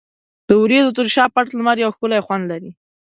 د وریځو تر شا پټ لمر یو ښکلی خوند لري.